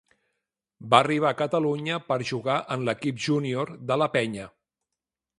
Va arribar a Catalunya per jugar en l'equip júnior de la Penya.